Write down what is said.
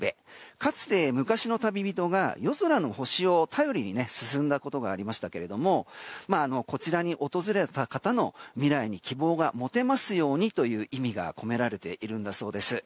かつて、昔の旅人が夜空の星を頼りに進んだことがありましたけどこちらに訪れた方の未来に希望が持てますようにという意味が込められているそうです。